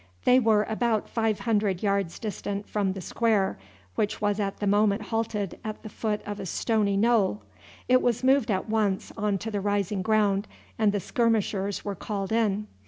They were about five hundred yards distant from the square, which was at the moment halted at the foot of a stony knoll. It was moved at once on to the rising ground, and the skirmishers were called in.